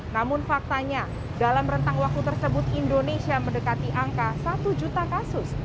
namun faktanya dalam rentang waktu tersebut indonesia mendekati angka satu juta kasus